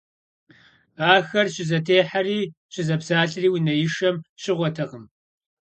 Ахэр щызэтехьэри щызэпсалъэри унэишэм щыгъуэтэкъым.